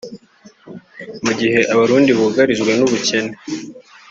Mu gihe Abarundi bugarijwe n’ubukene